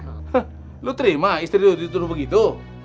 heh lu terima istri lu diturut begitu